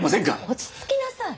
落ち着きなさい！